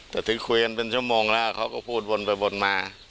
แต่ที่คุยกันเป็นชั่วโมงแล้วเขาก็พูดวนไปวนมา